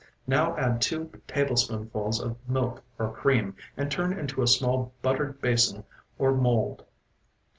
Now add two tablespoonfuls of milk or cream, and turn into a small buttered basin or mold.